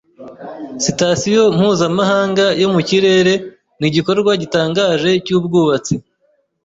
Sitasiyo mpuzamahanga yo mu kirere nigikorwa gitangaje cyubwubatsi.